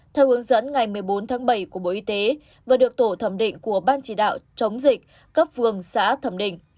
theo hướng dẫn ngày một mươi bốn tháng bảy của bộ y tế và được tổ thẩm định của ban chỉ đạo chống dịch cấp phường xã thẩm định